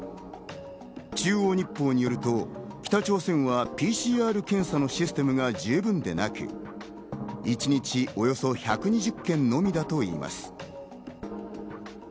中央日報によると、北朝鮮はＰＣＲ検査のシステムが十分でなく、一日およそ１２０件のみだといいます。